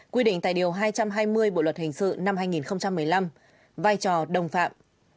quy định tại điều hai trăm hai mươi bộ luật hình sự năm hai nghìn một mươi năm vai trò đồng phạm